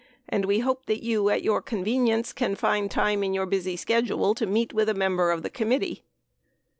." and "We hope that you, at your convenience, can find time in your busy schedule to meet with a member of the committee."